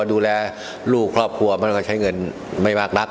ดูแลลูกครอบครัวมันก็ใช้เงินไม่มากนัก